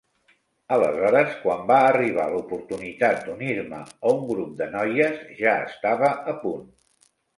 Aleshores, quan va arribar l'oportunitat d'unir-me a un grup de noies, ja estava a punt!